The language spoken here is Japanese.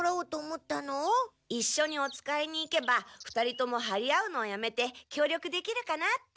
いっしょにおつかいに行けば２人ともはり合うのをやめてきょう力できるかなって。